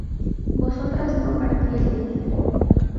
vosotras no partieseis